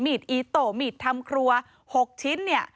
อีโตมีดทำครัว๖ชิ้นเนี่ย